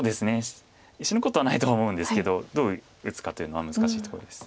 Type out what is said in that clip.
死ぬことはないと思うんですけどどう打つかというのは難しいとこです。